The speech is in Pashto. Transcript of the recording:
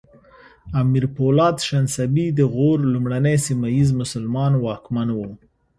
امیر پولاد شنسبی د غور لومړنی سیمه ییز مسلمان واکمن و